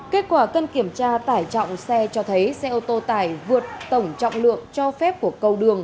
kết quả cân kiểm tra tải trọng xe cho thấy xe ô tô tải vượt tổng trọng lượng cho phép của câu đường